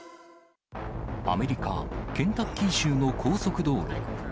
アメリカ・ケンタッキー州の高速道路。